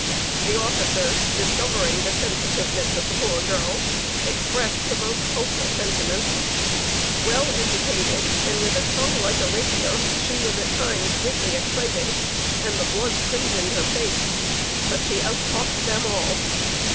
The officers, discovering the sensitiveness of the poor girl, expressed the most ultra sentiments. Well educated, and with a tongue like a rapier, she was at times greatly excited, and the blood crimsoned her face; but she out talked them all.